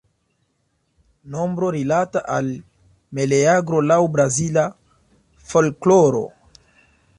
Nombro rilata al Meleagro laŭ Brazila folkloro.